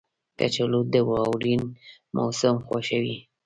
کچالو د واورین موسم خوښوي